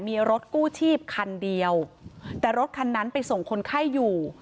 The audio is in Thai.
มีรถกู้ชีพคันเดียวแต่รถคันนั้นไปส่งคนไข้อยู่